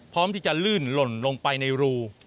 พร้อมที่จะลื่นหล่นลงไปในรู